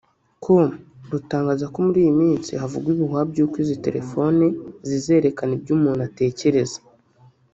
com rutangaza ko muri iyi minsi havugwaga ibihuha by’uko izi terefoni zizerekana ibyo umuntu atekereza